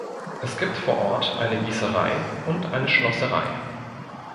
Es gibt vor Ort eine Gießerei und eine Schlosserei.